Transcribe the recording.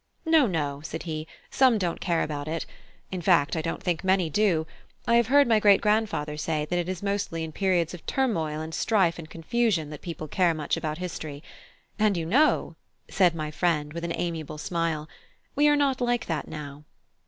"No, no," said he; "some don't care about it; in fact, I don't think many do. I have heard my great grandfather say that it is mostly in periods of turmoil and strife and confusion that people care much about history; and you know," said my friend, with an amiable smile, "we are not like that now.